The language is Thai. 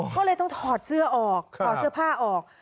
ก็เลยต้องถอดเสื้อออกถอดเสื้อผ้าออก